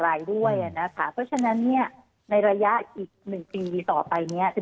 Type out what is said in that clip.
รายด้วยนะคะเพราะฉะนั้นเนี่ยในระยะอีก๑ปีต่อไปเนี้ยจะ